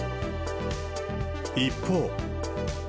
一方。